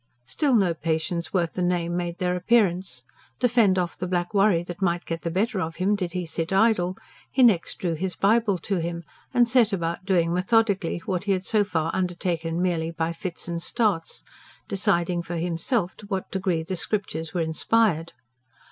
Still no patients worth the name made their appearance. To fend off the black worry that might get the better of him did he sit idle, he next drew his Bible to him, and set about doing methodically what he had so far undertaken merely by fits and starts deciding for himself to what degree the Scriptures were inspired.